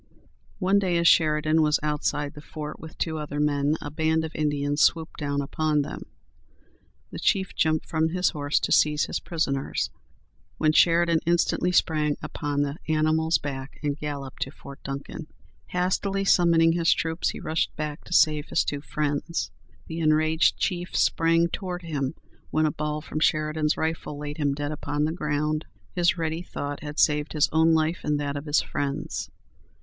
One day, as Sheridan was outside the fort with two other men, a band of Indians swooped down upon them. The chief jumped from his horse to seize his prisoners, when Sheridan instantly sprang upon the animal's back, and galloped to Fort Duncan. Hastily summoning his troops, he rushed back to save his two friends. The enraged chief sprang toward him, when a ball from Sheridan's rifle laid him dead upon the ground. His ready thought had saved his own life and that of his friends.